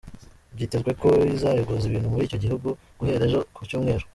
Byitezwe ko izayogoza ibintu muri icyo gihugu guhera ejo ku cyumweru.